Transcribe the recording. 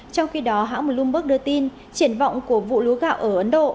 trong khi đó hãng bloomberg đưa tin triển vọng của vụ lúa gạo ở ấn độ